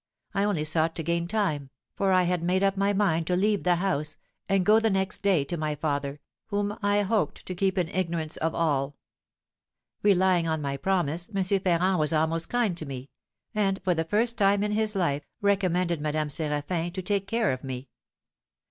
I only sought to gain time, for I had made up my mind to leave the house, and go the next day to my father, whom I hoped to keep in ignorance of all. Relying on my promise, M. Ferrand was almost kind to me, and, for the first time in his life, recommended Madame Séraphin to take care of me.